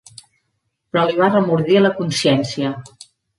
Però li va remordir la consciència.